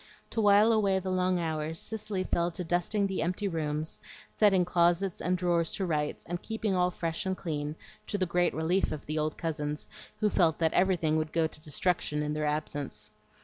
To wile away the long hours, Cicely fell to dusting the empty rooms, setting closets and drawers to rights, and keeping all fresh and clean, to the great relief of the old cousins, who felt that everything would go to destruction in their absence.